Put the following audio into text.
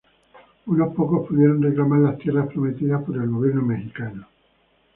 Unos pocos pudieron reclamar las tierras prometidas por el gobierno mexicano.